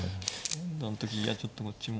連打の時にいやちょっとこっちも。